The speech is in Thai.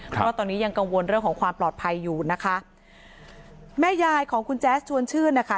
เพราะว่าตอนนี้ยังกังวลเรื่องของความปลอดภัยอยู่นะคะแม่ยายของคุณแจ๊สชวนชื่นนะคะ